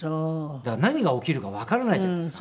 だから何が起きるかわからないじゃないですか。